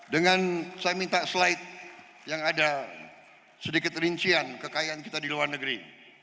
dengan saya minta slide yang ada sedikit rincian kekayaan kita di luar negeri